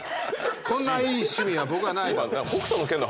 こんないい趣味は僕はない。